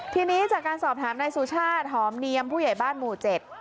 ทีนี้จากการสอบถามนายสุชาติหอมเนียมผู้ใหญ่บ้านหมู่เจ็ด